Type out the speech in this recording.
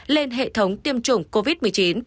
lên hệ thống tiêm chủng covid một mươi chín